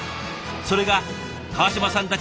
それが川島さんたち